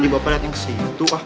tadi bapak liatnya ke situ